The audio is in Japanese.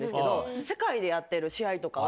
世界でやってる試合とかは。